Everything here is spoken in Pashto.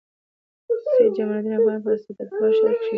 سید جمال الدین افغان په اسعداباد ښار کښي زېږېدلي دئ.